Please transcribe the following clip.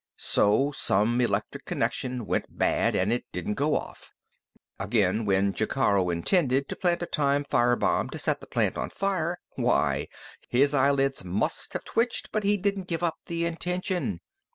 So some electric connection went bad, and it didn't go off. Again, when Jacaro intended to plant a time fire bomb to set the plant on fire why his eyelids must have twitched but he didn't give up the intention.